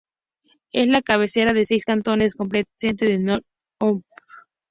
Es la cabecera de seis cantones: Campagne, Centre, Nord-Est, Nord-Ouest, Sud-Est y Sud-Ouest.